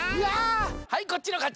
はいこっちのかち！